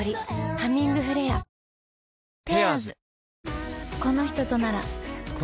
「ハミングフレア」え？